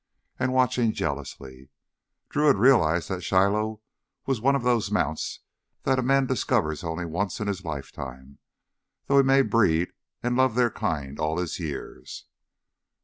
And watching jealously, Drew had realized that Shiloh was one of those mounts that a man discovers only once in his life time, though he may breed and love their kind all his years.